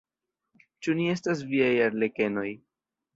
Ĉu ni estas viaj arlekenoj?